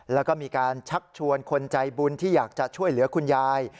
แล้วก็มีการชักชวนคนใจบุญที่อยากจะช่วยเหลือคุณยาย